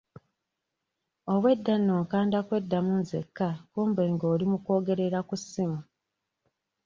Obwedda nno nkanda kweddamu nzekka kumbe ng'oli mu kwogerera ku ssimu.